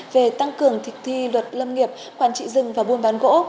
về tăng cường thực thi luật lâm nghiệp quản trị rừng và buôn bán gỗ